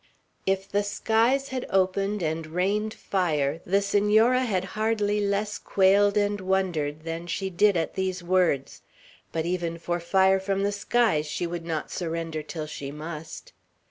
If the skies had opened and rained fire, the Senora had hardly less quailed and wondered than she did at these words; but even for fire from the skies she would not surrender till she must.